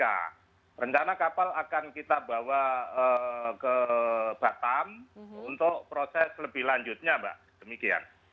ya rencana kapal akan kita bawa ke batam untuk proses lebih lanjutnya mbak demikian